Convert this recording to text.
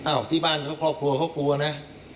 อ้าวที่บ้านเขาพอครัวเขากลัวนะ